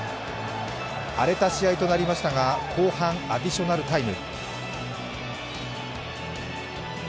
荒れた試合となりましたが後半、アディショナルタイム。